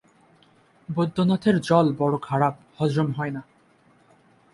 বৈদ্যনাথের জল বড় খারাপ, হজম হয় না।